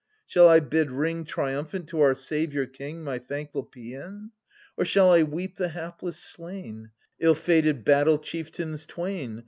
— shall I bid ring Triumphant to our Saviour king My thankful paean ? Or shall I weep the hapless slain, Ill fated battle chieftains twain.